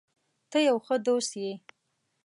ته یو ښه دوست یې.